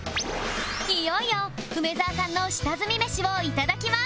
いよいよ梅沢さんの下積みメシを頂きます